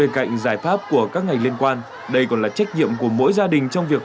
cạnh giải pháp của các ngành liên quan đây còn là trách nhiệm của mỗi gia đình trong việc